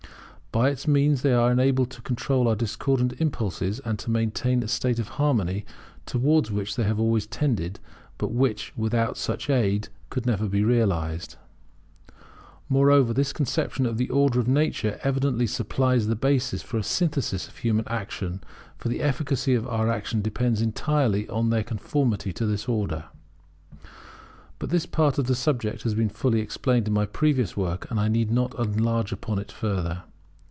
By its means they are enabled to control our discordant impulses, and to maintain a state of harmony towards which they have always tended, but which, without such aid, could never be realized. Moreover, this conception of the order of nature evidently supplies the basis for a synthesis of human action; for the efficacy of our action depends entirely upon their conformity to this order. But this part of the subject has been fully explained in my previous work, and I need not enlarge upon it further.